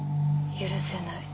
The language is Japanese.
許せない。